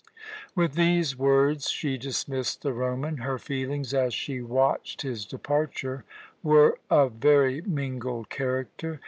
With these words she dismissed the Roman. Her feelings as she watched his departure were of very mingled character.